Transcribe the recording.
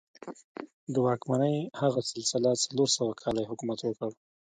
د واکمنۍ هغه سلسله څلور سوه کاله یې حکومت وکړ.